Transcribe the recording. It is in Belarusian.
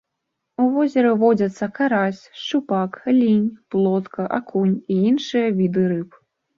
У возеры водзяцца карась, шчупак, лінь, плотка, акунь і іншыя віды рыб.